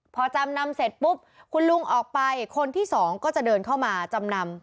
พอจำนำเสร็จปุ๊บคุณลุงออกไปคนที่สองก็จะเดินเข้ามาจำนำ